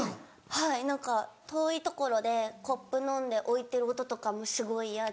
はい何か遠い所でコップ飲んで置いてる音とかもすごい嫌で。